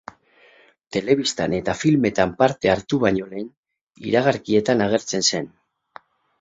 Telebistan eta filmetan parte hartu baino lehen, iragarkietan agertzen zen.